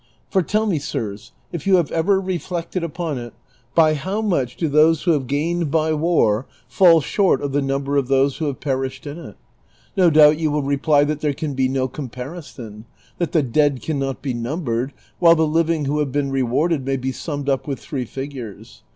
For tell me, sirs, if you have ever reflected upon it, by how much do those who have gained by war fall short of the number of those who have perished in it ? No doubt you will reply that there can be no .comparison, that the dead can not be nimibered, while the living who have Ijeen rewarded may be summed up witli three figures.